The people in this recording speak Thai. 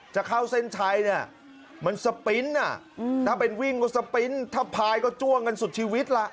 จะเข้าเส้นชัยเนี่ยมันสปริ้นต์ถ้าเป็นวิ่งก็สปริ้นต์ถ้าพายก็จ้วงกันสุดชีวิตล่ะ